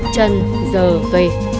trần g v